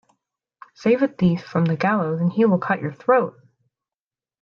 Save a thief from the gallows and he will cut your throat.